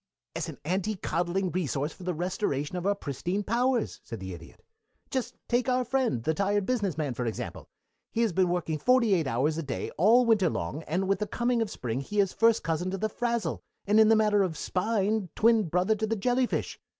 "As an anti coddling resource for the restoration of our pristine powers," said the Idiot. "Just take our old friend, the tired business man, for example. He has been working forty eight hours a day all winter long, and with the coming of spring he is first cousin to the frazzle, and in the matter of spine twin brother to the jellyfish.